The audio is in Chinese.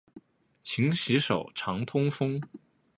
勤洗手，常通风。